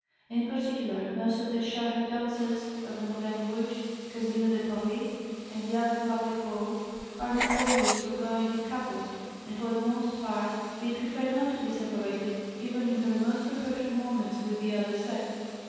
In particular, most of the chahut dancers of the Moulin Rouge, Casino de Paris, and the other public balls are notorious for going in couples, and, for the most part, they prefer not to be separated, even in their most professional moments with the other sex.